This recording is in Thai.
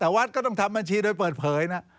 แต่วัดก็ต้องทำบัญชีโดยเปิดเผยนะ